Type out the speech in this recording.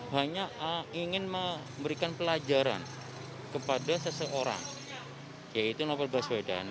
hanya ingin memberikan pelajaran kepada seseorang yaitu novel baswedan